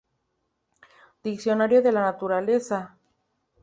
Diccionario de la naturaleza.